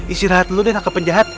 istirahat dulu deh nangkep penjahat